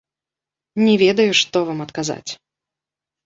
Не ведаю, што вам адказаць.